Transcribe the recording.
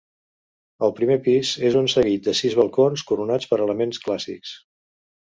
El primer pis és un seguit de sis balcons coronats per elements clàssics.